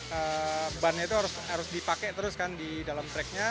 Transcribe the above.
karena bannya itu harus dipakai terus kan di dalam tracknya